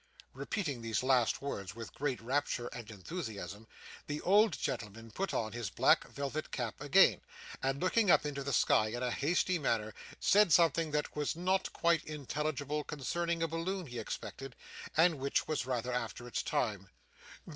Repeating these last words with great rapture and enthusiasm, the old gentleman put on his black velvet cap again, and looking up into the sky in a hasty manner, said something that was not quite intelligible concerning a balloon he expected, and which was rather after its time.